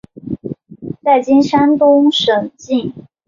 在今山东省境。